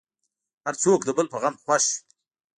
هر څوک د بل په غم خوښ دی.